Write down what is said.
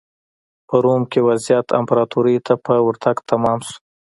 په روم کې وضعیت امپراتورۍ ته په ورتګ تمام شو.